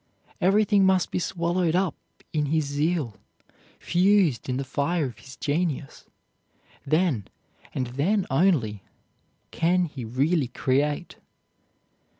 Everything must be swallowed up in his zeal, fused in the fire of his genius, then, and then only, can he really create.